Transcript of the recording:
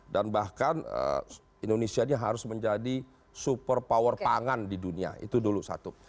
dan bahkan indonesia ini harus menjadi super power pangan di dunia itu dulu satu